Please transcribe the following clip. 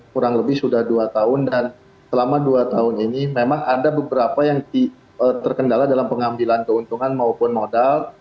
kurang lebih sudah dua tahun dan selama dua tahun ini memang ada beberapa yang terkendala dalam pengambilan keuntungan maupun modal